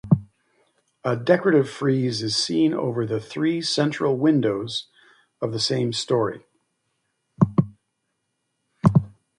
A decorative frieze is seen over the three central windows of the same storey.